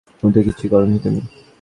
উদ্ভট কিছুই করোনি তুমি।